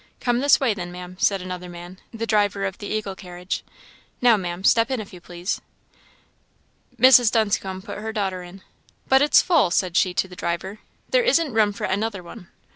"Come this way, then, Maam," said another man, the driver of the Eagle carriage; "now, Maam, step in, if you please." Mrs. Dunscombe put her daughter in. "But it's full!" said she to the driver; "there isn't room for another one!"